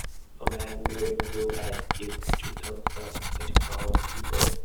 A man wearing a blue hat gives two thumbs up at a crowd of people.